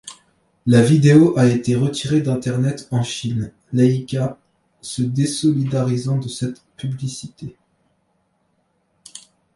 La vidéo a été retirée d’Internet en Chine, Leica se désolidarisant de cette publicité.